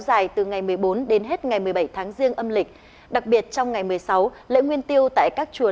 dài từ ngày một mươi bốn đến hết ngày một mươi bảy tháng riêng âm lịch đặc biệt trong ngày một mươi sáu lễ nguyên tiêu tại các chùa